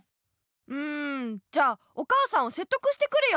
うんじゃあお母さんをせっとくしてくるよ！